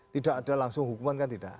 tidak ada langsung hukuman kan tidak